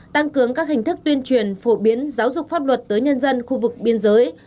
tăng cường các hình thức tuyên truyền phổ biến giáo dục pháp luật tới nhân dân khu vực biên giới